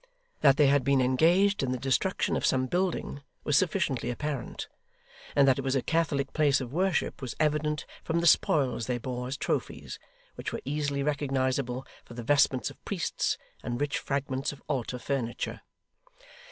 That they had been engaged in the destruction of some building was sufficiently apparent, and that it was a Catholic place of worship was evident from the spoils they bore as trophies, which were easily recognisable for the vestments of priests, and rich fragments of altar furniture.